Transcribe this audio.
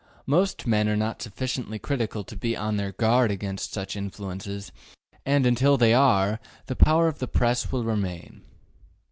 Most men are not sufficiently critical to be on their guard against such influences, and until they are, the power of the Press will remain.